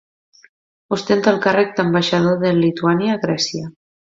Ostenta el càrrec d'ambaixador de Lituània a Grècia.